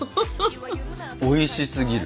おいしすぎる。